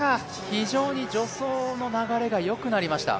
非常に助走の流れがよくなりました。